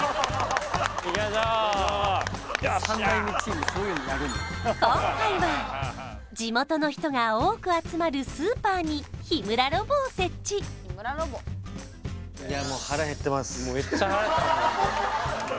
ていうことで今回は地元の人が多く集まるスーパーに日村ロボを設置いやもう腹減ってます